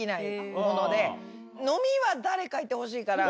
飲みは誰かいてほしいから。